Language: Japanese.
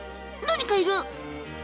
何かいる！